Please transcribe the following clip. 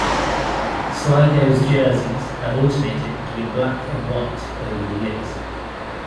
Sligo's jerseys have alternated between black and white over the years.